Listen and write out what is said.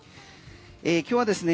今日はですね